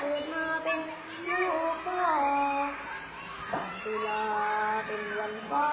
พ่อไม่เคยสุดท้วยพ่อไม่เคยท้าใจ